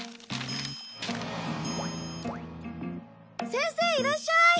先生いらっしゃい！